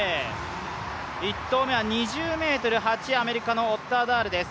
１投目は２０ｍ８、アメリカのオッターダールです。